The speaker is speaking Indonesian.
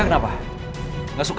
sampai jumpa di video selanjutnya